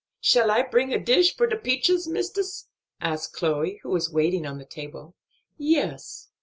"Shall I bring a dish for de peaches, mistis?" asked Chloe, who was waiting on the table. "Yes."